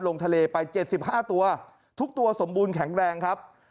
ลงทะเลไป๗๕ตัวทุกตัวสมบูรณแข็งแรงครับ